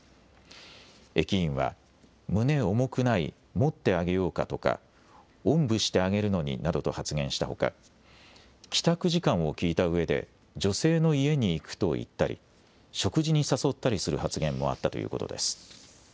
駅員は胸重くない、持ってあげようかとかおんぶしてあげるのになどと発言したほか、帰宅時間を聞いたうえで女性の家に行くと言ったり、食事に誘ったりする発言もあったということです。